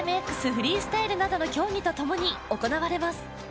フリースタイルなどの競技とともに行われます